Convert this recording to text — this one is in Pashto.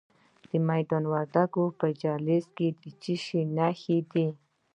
د میدان وردګو په جلریز کې د څه شي نښې دي؟